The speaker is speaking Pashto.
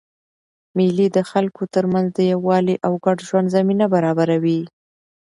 مېلې د خلکو ترمنځ د یووالي او ګډ ژوند زمینه برابروي.